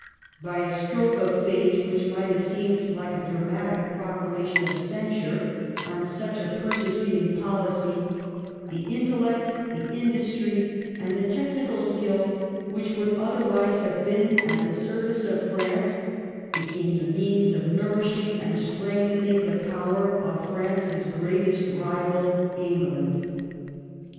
By a stroke of fate which might have seemed like a dramatic proclamation of censure on such a persecuting policy, the intellect, the industry, and the technical skill which would otherwise have been at the service of France became the means of nourishing and strengthening the power of France's greatest rival, 1685 1714 THE HUGUENOT EMiaRATION. 151 England.